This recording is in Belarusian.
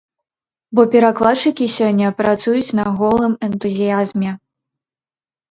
Бо перакладчыкі сёння працуюць на голым энтузіязме.